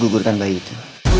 gugurkan bayi itu